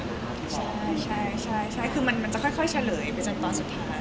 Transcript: ที่บอกใช่มันจะค่อยเฉลยไปจากตอนสุดท้าย